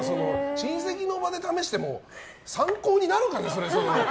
親戚の場で試しても参考になるかな、それ。